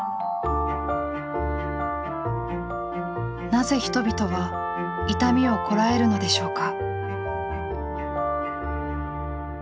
なぜ人々は痛みをこらえるのでしょうか。